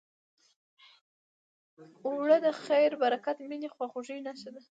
اوړه د خیر، برکت، مینې، خواخوږۍ نښه ده